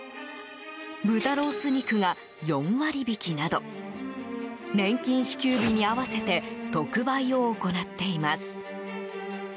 豚ロース肉が４割引きなど年金支給日に合わせて特売を行っています。